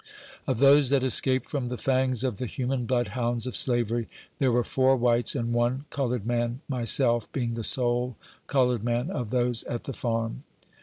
Of those that escaped from the fangs of the human bloodhounds of slavery, there were four whites, and one color ed man, myself being the sole colored man of those at the Farm.